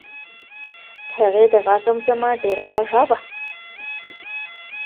د هغې د غږ زمزمه ډېره خوږه وه.